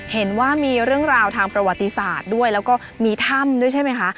เห็นว่ามีเรื่องราวทางประวัติศาสตร์ด้วยแล้วก็มีถ้ำด้วยใช่ไหมคะ